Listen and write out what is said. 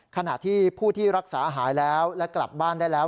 ขณะที่ผู้ที่รักษาหายแล้วและกลับบ้านได้แล้ว